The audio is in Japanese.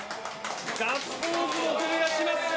ガッツポーズも飛び出します。